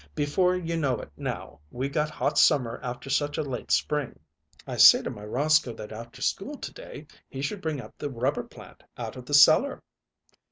Before you know it now, we got hot summer after such a late spring." "I say to my Roscoe that after school to day he should bring up the rubber plant out of the cellar."